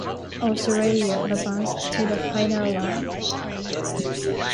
"Australia" advanced to the Final Round.